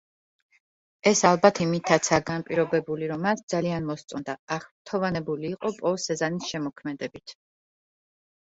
ეს ალბათ იმითაცაა განპირობებული რომ მას ძალიან მოსწონდა, აღფრთოვანებული იყო პოლ სეზანის შემოქმედებით.